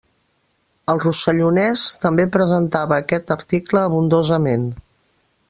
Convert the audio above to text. El rossellonès també presentava aquest article abundosament.